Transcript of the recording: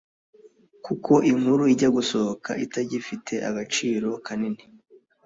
kuko inkuru ijya gusohoka itagifite agaciro kanini